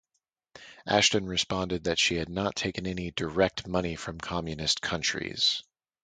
Ashton responded that she had not taken any "direct money from communist countries".